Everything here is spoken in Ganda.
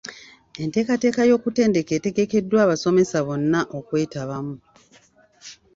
Enteekateeka y'okutendeka etegekeddwa abasomesa bonna okwetabamu.